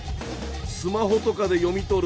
スマホとかで読み取る